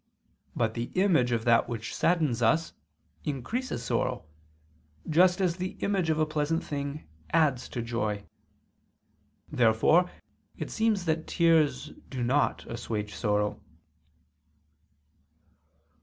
But the image of that which saddens us increases sorrow, just as the image of a pleasant thing adds to joy. Therefore it seems that tears do not assuage sorrow.